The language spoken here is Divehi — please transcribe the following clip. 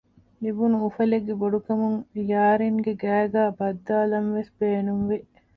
ލިބުނު އުފަލެއްގެ ބޮޑުކަމުން ޔާރިންގެ ގައިގައި ބައްދާލަންވެސް ބޭނުންވި